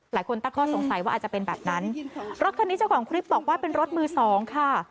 หลายคนตั้งข้อสงสัยว่าอาจจะเป็นแบบนั้นรถคันนี้เจ้าของคลิปบอกว่าเป็นรถมือสองค่ะ